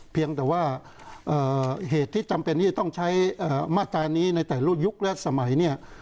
เพียงแต่ว่าเหตุที่จำเป็นที่จะต้องใช้มาตรานี้ในแต่ละยุคและสมัยเนี่ย